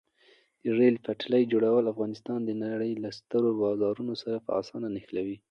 د ریل پټلۍ جوړول افغانستان د نړۍ له سترو بازارونو سره په اسانۍ نښلوي.